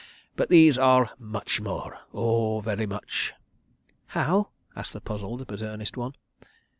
But these are much more. Oh, very much." "How?" asked the puzzled but earnest one.